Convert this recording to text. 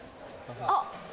あっ！